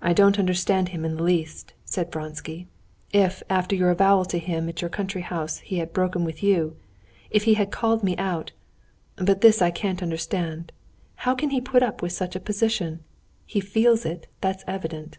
"I don't understand him in the least," said Vronsky. "If after your avowal to him at your country house he had broken with you, if he had called me out—but this I can't understand. How can he put up with such a position? He feels it, that's evident."